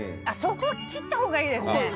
そこは切った方がいいですね。